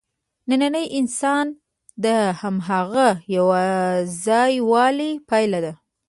نننی انسان د هماغه یوځایوالي پایله ده.